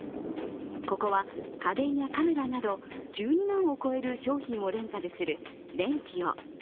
ここは、家電やカメラなど１２万を超える商品をレンタルするレンティオ。